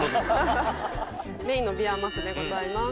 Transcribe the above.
メインのビワマスでございます。